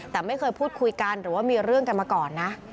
แต่ไม่เคยพูดคุยกันหรือว่ามีเรื่องกันมาก่อนนะ